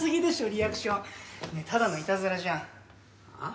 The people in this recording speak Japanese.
リアクションねぇただのいたずらじゃんあぁ？